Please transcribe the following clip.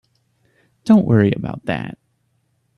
Don't worry about that.